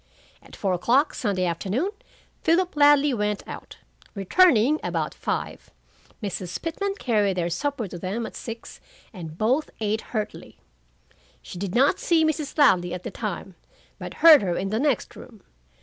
At four o'clock Sunday afternoon, Philip Ladley went out, returning about five. Mrs. Pitman carried their supper to them at six, and both ate heartily. She did not see Mrs. Ladley at the time, but heard her in the next room.